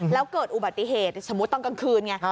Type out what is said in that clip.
แล้วเกิดอุบัติเหตุสมมุติตอนกลางคืนไง